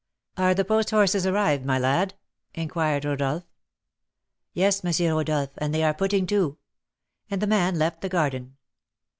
"Are the post horses arrived, my lad?" inquired Rodolph. "Yes, M. Rodolph; and they are putting to." And the man left the garden.